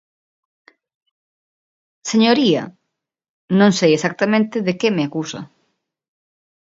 Señoría, non sei exactamente de que me acusa.